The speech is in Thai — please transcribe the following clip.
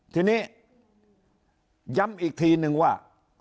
ทีนี้ย้ำอีกทีนึงว่า